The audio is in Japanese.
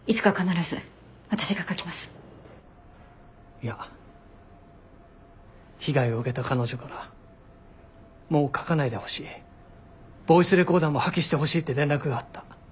いや被害を受けた彼女からもう書かないでほしいボイスレコーダーも破棄してほしいって連絡があった。